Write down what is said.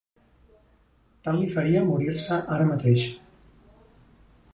Tant li faria morir-se ara mateix.